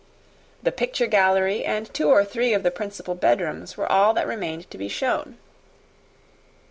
The picture gallery, and two or three of the principal bed rooms, were all that remained to be shown.